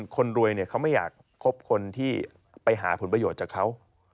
คนรวยเขาไม่อยากคบคนที่ไปหาผลประโยชน์จากเขา